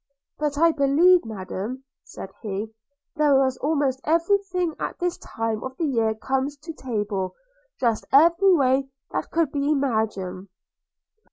'But I believe, Madam,' said he, 'there was almost every thing that at this time of the year comes to table, dressed every way that could be imagined.'